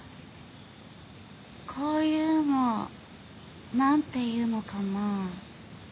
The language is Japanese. こういうの何ていうのかなぁ。